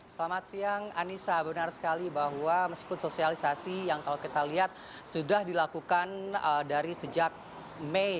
selamat siang anissa benar sekali bahwa meskipun sosialisasi yang kalau kita lihat sudah dilakukan dari sejak mei